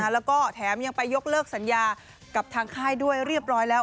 แล้วก็แถมยังไปยกเลิกสัญญากับทางค่ายด้วยเรียบร้อยแล้ว